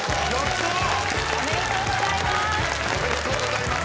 おめでとうございます。